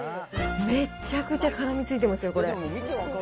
めっちゃくちゃからみついてますよ、これ。